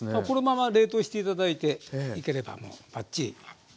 このまま冷凍して頂いていければもうバッチリ。